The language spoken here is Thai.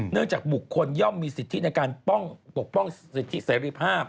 เนื่องจากบุคคลยอมมีสิทธิในการป้องอุปร่งสิทธิเสร็จภาพ